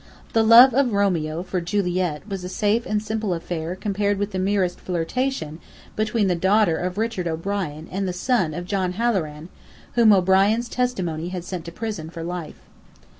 The love of Romeo for Juliet was a safe and simple affair compared with the merest flirtation between the daughter of Richard O'Brien and the son of John Halloran, whom O'Brien's testimony had sent to prison for life.